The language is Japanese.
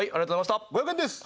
５００円です。